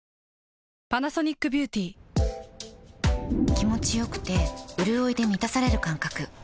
気持ちよくてうるおいで満たされる感覚